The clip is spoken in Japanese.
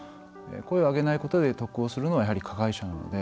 声を上げないことで得をするのはやはり加害者なので。